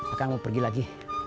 akang mau pergi lagi